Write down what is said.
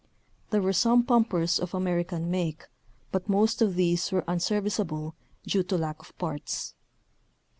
There were some pumpers of American make, but most of these were un serviceable due to lack of parts.